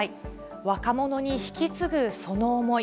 若者に引き継ぐその思い。